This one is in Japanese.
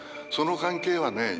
その関係はね